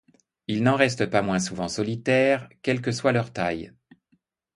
Ils n'en restent pas moins souvent solitaires, quelle que soit leur taille.